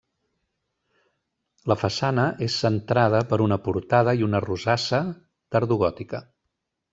La façana és centrada per una portada i una rosassa tardogòtica.